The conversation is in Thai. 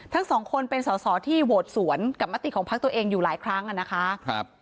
ทั้งสองคนเป็นสอสอที่โหวตสวนกับมติของพักตัวเองอยู่หลายครั้งอ่ะนะคะ